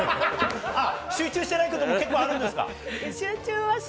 集中してないことも結構あるんですか？